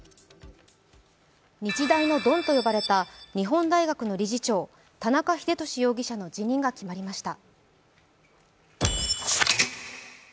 日大のドンと呼ばれた日本大学の理事長、田中英寿容疑者の辞任が決まりました。